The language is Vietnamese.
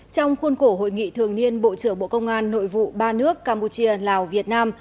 trong khuôn khổ hội nghị thường niên bộ trưởng bộ công an nội vụ ba nước campuchia lào việt nam